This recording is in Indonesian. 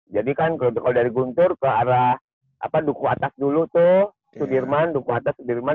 jadi kan kalau dari guntur ke arah duku atas dulu tuh sudirman duku atas sudirman